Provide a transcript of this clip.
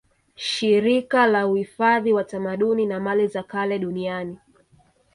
Shirika la uifadhi wa tamaduni na mali za kale Duniani